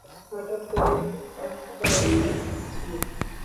হঠাৎ করেই পাহাড়টা উদয় হয়েছিল।